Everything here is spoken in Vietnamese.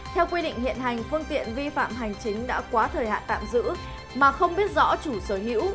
theo quy định hiện hành phương tiện vi phạm hành chính đã quá thời hạn tạm giữ mà không biết rõ chủ sở hữu